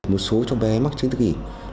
một số cho bé mắc chứng tự kỷ